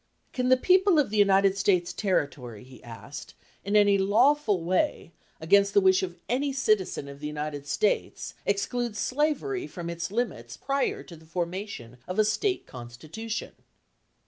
"Can the people of the United States Terri tory" he asked, "in any lawful way, against the wish of any citizen of the United States, exclude slavery from its limits prior to the formation of a State constitution?"